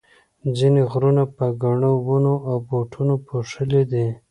ځینې غرونه په ګڼو ونو او بوټو پوښلي دي.